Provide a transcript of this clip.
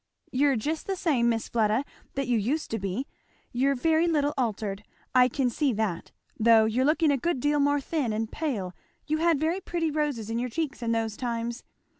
"You're just the same, Miss Fleda, that you used to be you're very little altered I can see that though you're looking a good deal more thin and pale you had very pretty roses in your cheeks in those times.